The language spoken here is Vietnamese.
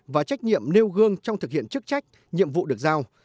và trách nhiệm nêu gương trong thực hiện chức trách nhiệm vụ được giao